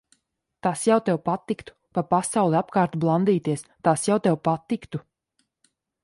Tas jau tev patiktu. Pa pasauli apkārt blandīties, tas jau tev patiktu.